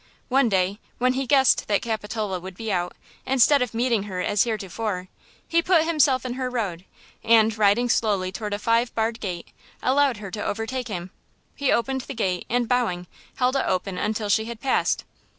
One day, when he guessed that Capitola would be out, instead of meeting her as heretofore, he put himself in her road and, riding slowly toward a five barred gate, allowed her to overtake him. He opened the gate and, bowing, held it open until she had passed.